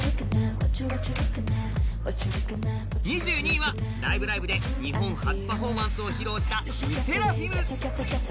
２２位は「ライブ！ライブ！」で日本初パフォーマンスを披露したＬＥＳＳＥＲＡＦＩＭ。